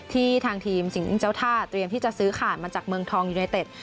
ทางทีมสิงห์เจ้าท่าเตรียมที่จะซื้อขาดมาจากเมืองทองยูไนเต็ด